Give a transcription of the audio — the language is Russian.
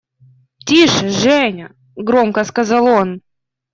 – Тише, Женя! – громко сказал он.